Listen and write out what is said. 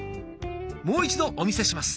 もう一度お見せします。